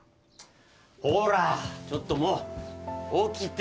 ほらちょっともう起きて！